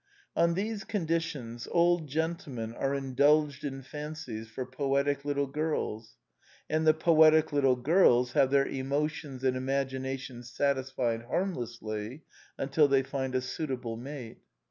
On these conditions, old gentlemen are indulged in fancies for poetic little girls; and the poetic little girls have their emo tions and imaginations satisfied harmlessly until they find a suitable mate.